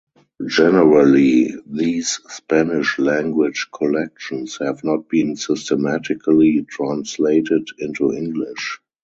Generally, these Spanish-language collections have not been systematically translated into English.